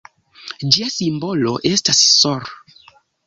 Ĝia simbolo estas sr.